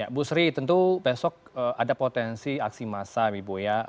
ya ibu sri tentu besok ada potensi aksi massa ibu ya